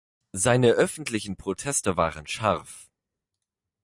Seine öffentlichen Proteste waren scharf.